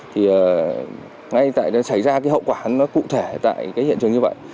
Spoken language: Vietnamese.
thì ngay tại xảy ra hậu quả cụ thể tại hiện trường như vậy